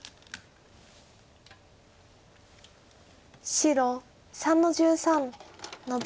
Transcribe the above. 白３の十三ノビ。